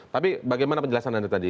tapi bagaimana penjelasan anda tadi